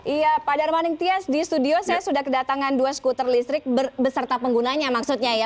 iya pak darmaning tias di studio saya sudah kedatangan dua skuter listrik beserta penggunanya maksudnya ya